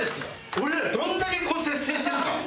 俺らどんだけこれ節制してるか。